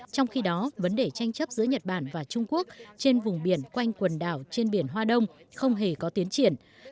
trong khi đó vấn đề tranh chấp giữa nhật bản và trung quốc trên vùng biển quanh quần đảo trên biển hoa đông không hề có tiến triển